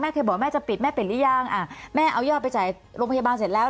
เคยบอกแม่จะปิดแม่ปิดหรือยังอ่าแม่เอายอดไปจ่ายโรงพยาบาลเสร็จแล้ว